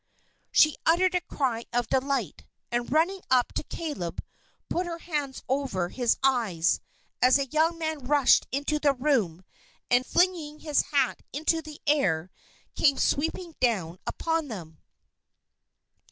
She uttered a cry of delight; and running up to Caleb, put her hands over his eyes, as a young man rushed into the room, and flinging his hat into the air, came sweeping down upon them.